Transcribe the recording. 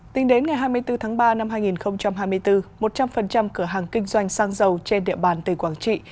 tính đến ngày hai mươi bốn tháng ba năm hai nghìn hai mươi bốn một trăm linh cửa hàng kinh doanh xăng dầu trên địa bàn tỉnh quảng trị